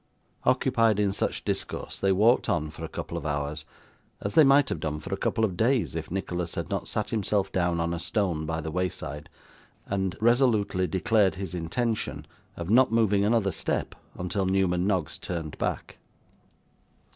Occupied in such discourse, they walked on for a couple of hours, as they might have done for a couple of days if Nicholas had not sat himself down on a stone by the wayside, and resolutely declared his intention of not moving another step until Newman Noggs turned back.